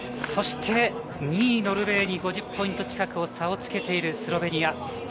そして、２位・ノルウェーに５０ポイント近く差をつけている、スロベニア。